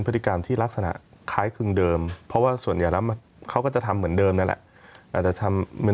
พฤติกรรมที่ลักษณะคล้ายคึงเดิมเพราะว่าส่วนใหญ่แล้วเขาก็จะทำเหมือนเดิมนั่นแหละอาจจะทำเป็น